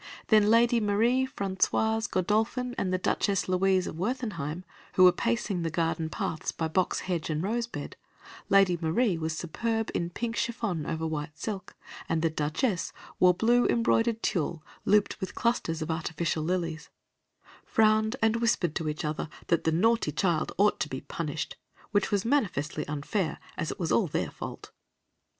Then Lady Marie Françoise Godolphin and the Duchess Louise of Werthenheim, who were pacing the garden paths by box hedge and rose bed (Lady Marie was superb in pink chiffon over white silk, and the Duchess wore blue embroidered tulle looped with clusters of artificial lilies), frowned and whispered to each other that the naughty child ought to be punished, which was manifestly unfair, as it was all their fault.